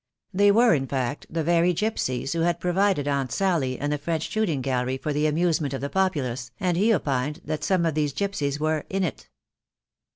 They were, in fact, the very gipsies who had provided Aunt Sally and the French shooting gallery for the amusement of the populace, and he opined that some of these gipsies were "in it."